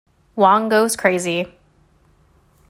Wong goes crazy.